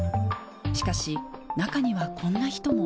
しかし、中にはこんな人も。